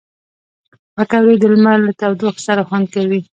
پکورې د لمر له تودوخې سره خوند کوي